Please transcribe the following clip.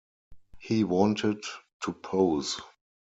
He wanted to pose.